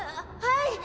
はい。